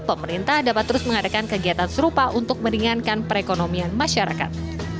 pemerintah dapat terus mengadakan kegiatan serupa untuk meringankan perekonomian masyarakat